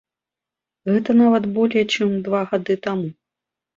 Гэта нават болей, чым два гады таму.